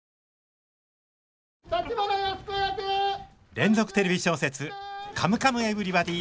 連続テレビ小説「カムカムエヴリバディ」！